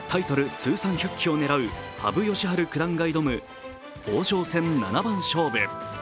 通算１００期を狙う羽生善治九段が挑む王将戦七番勝負。